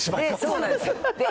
そうなんです。